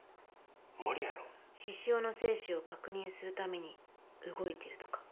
獅子雄の生死を確認するために動いてるとか。